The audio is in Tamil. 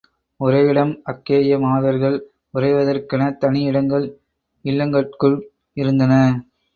உறைவிடம் அக்கேய மாதர்கள் உறைவதற்கெனத் தனி இடங்கள் இல்லங்கட்குள் இருந்தன.